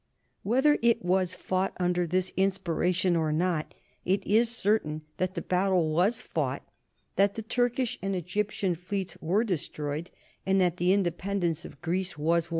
Whether it was fought under this inspiration or not, it is certain that the battle was fought, that the Turkish and Egyptian fleets were destroyed, and that the independence of Greece was won.